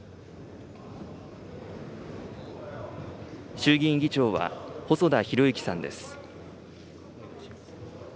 衆議院議長は細田博之さんです。